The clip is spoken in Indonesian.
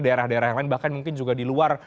daerah daerah yang lain bahkan mungkin juga di luar